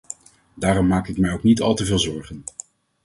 Daarom maak ik mij ook niet al te veel zorgen.